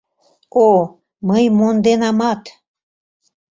— О, мый монденамат.